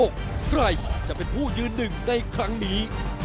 ใครจะเป็นผู้ยืนหนึ่งในครั้งนี้